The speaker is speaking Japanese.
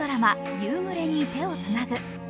「夕暮れに、手をつなぐ」